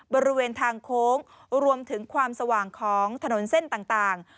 บริเวณทางโค้งรวมถึงความสว่างของถนนเส้นต่าง